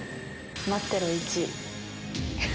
待ってろ、１位。